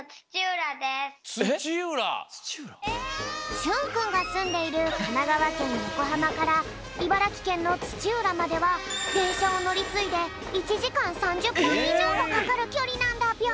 しゅんくんがすんでいるかながわけんよこはまからいばらきけんのつちうらまではでんしゃをのりついで１じかん３０ぷんいじょうもかかるきょりなんだぴょん。